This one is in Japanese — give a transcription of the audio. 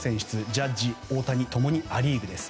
ジャッジ、大谷ともにア・リーグです。